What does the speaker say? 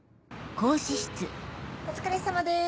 お疲れさまです。